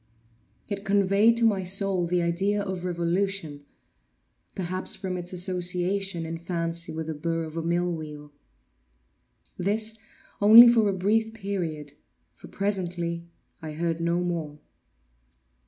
It conveyed to my soul the idea of revolution—perhaps from its association in fancy with the burr of a mill wheel. This only for a brief period, for presently I heard no more.